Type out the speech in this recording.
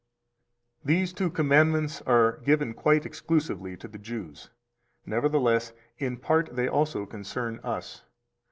293 These two commandments are given quite exclusively to the Jews; nevertheless, in part they also concern us.